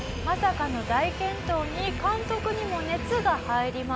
まさかの大健闘に監督にも熱が入ります。